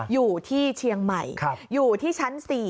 อยู่ที่เชียงใหม่อยู่ที่ชั้น๔